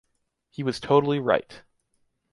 He was totally right.